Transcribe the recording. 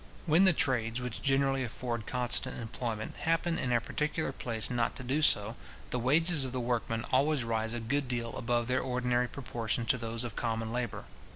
When the trades which generally afford constant employment, happen in a particular place not to do so, the wages of the workmen always rise a good deal above their ordinary proportion to those of common labour.